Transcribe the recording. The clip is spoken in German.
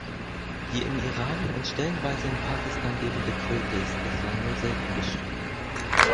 Die im Iran und stellenweise in Pakistan lebende Kröte ist bislang nur selten beschrieben.